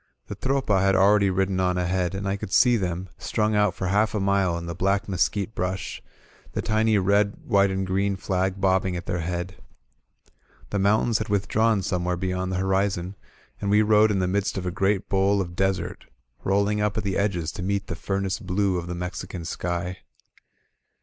The Tropa had already ridden on ahead, and I could see them, strung out for half a mile in the black mes quite brush, the tiny red white and green flag bobbing at their head. The mountains had withdrawn some where beyond the horizon, and we rode in the midst of a great bowl of desert, rolling up at the edges to meet the furnace blue of the Mexican sky.